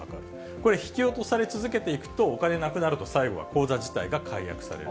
これ、引き落とされ続けていくと、お金なくなると、最後は口座自体が解約される。